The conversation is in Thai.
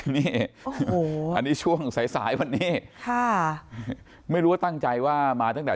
นี่โอ้โหอันนี้ช่วงสายสายวันนี้ค่ะไม่รู้ว่าตั้งใจว่ามาตั้งแต่